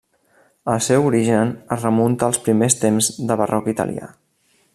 El seu origen es remunta als primers temps de barroc italià.